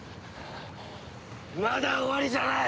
まだ終わりじゃない！